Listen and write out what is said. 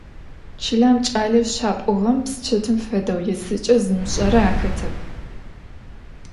Çılem ç'aleu şap'uğem psıçetım fedeu yêsıç'e zımış'ere axetep.